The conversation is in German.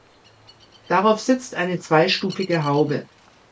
Darauf sitzt eine zweistufige Haube.